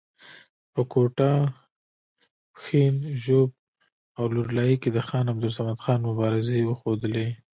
په کوټه، پښین، ژوب او لور لایي کې د خان عبدالصمد خان مبارزې وښودلې.